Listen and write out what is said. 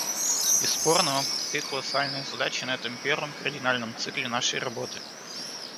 Бесспорно, вам предстоит колоссальная задача на этом первом, кардинальном цикле нашей работы.